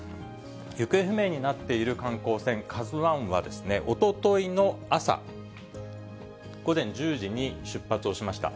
行方不明になっている観光船カズワンは、おとといの朝、午前１０時に出発をしました。